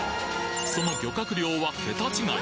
その漁獲量は桁違い！